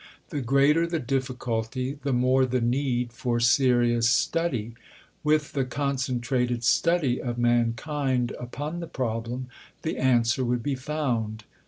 The greater the difficulty, the more the need for serious study. With the concentrated study of mankind upon the problem, the answer would be found.